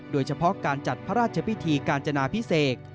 โดยเฉพาะการจัดพระราชพิธีกาญจนาพิเศษ